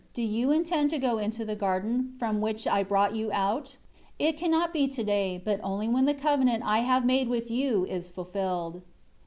Do you intend to go into the garden, from which I brought you out? It cannot be today; but only when the covenant I have made with you is fulfilled."